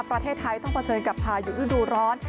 ประเทศไทยท่องเผาเชิญกับปลายอยู่ยุคดุร้อน